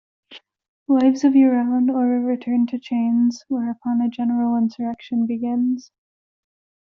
Lives of your own, or a return to chains, whereupon a general insurrection begins.